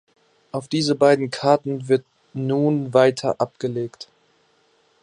Auf diese beiden Karten wird nun weiter abgelegt!